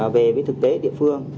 về với thực tế địa phương